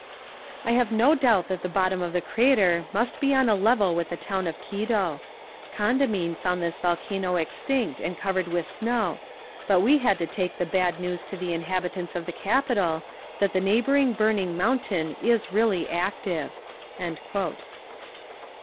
"I have no doubt that the bottom of the crater must be on a level with the town of Quito. Condamine found this volcano extinct and covered with snow, but we had to take the bad news to the inhabitants of the capital, that the neighbouring burning mountain is really active."